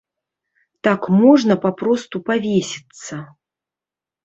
Так можна папросту павесіцца.